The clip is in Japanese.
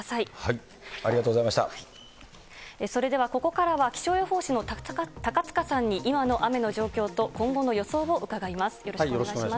それではここからは、気象予報士の高塚さんに、今の雨の状況と今後の予想を伺います。